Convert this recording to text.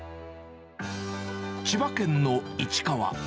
千葉県の市川。